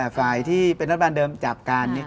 ฝ่ายที่เป็นรัฐบาลเดิมจับกัน